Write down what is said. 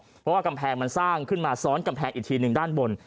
เพราะว่ากำแพงมันสร้างขึ้นมาซ้อนกำแพงอีกทีหนึ่งด้านบน